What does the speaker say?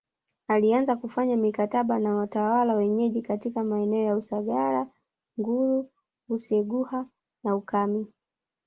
Alianza kufanya mikataba na watawala wenyeji katika maeneo ya Usagara Nguru Useguha na Ukami